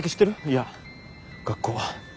いや学校は。